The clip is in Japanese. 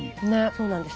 そうなんです。